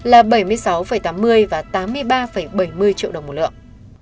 là bảy mươi sáu tám mươi và tám mươi ba bảy mươi triệu đồng một lượng